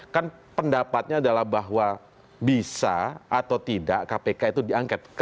kan pendapatnya adalah bahwa bisa atau tidak kpk itu diangket kpk